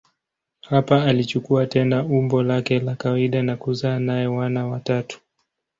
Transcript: Hapa alichukua tena umbo lake la kawaida na kuzaa naye wana watatu.